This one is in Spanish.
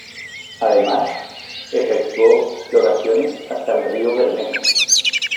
Además, efectuó exploraciones hasta el río Bermejo.